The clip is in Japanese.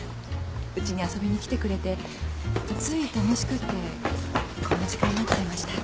うちに遊びに来てくれてつい楽しくてこんな時間になっちゃいました。